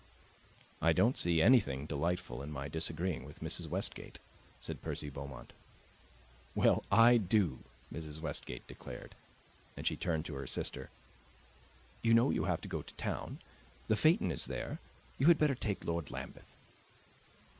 "I don't see anything delightful in my disagreeing with Mrs. Westgate," said Percy Beaumont. "Well, I do!" Mrs. Westgate declared; and she turned to her sister. "You know you have to go to town. The phaeton is there. You had better take Lord Lambeth."